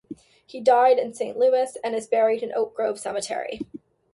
He died in Saint Louis and is buried in Oak Grove Cemetery.